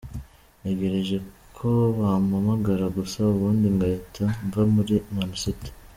Ntegereje ko bampamagara gusa ubundi ngahita mva muri Man City.